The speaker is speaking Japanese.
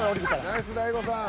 ナイス大悟さん。